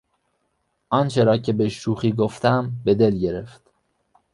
آنچه را که به شوخی گفتم به دل گرفت.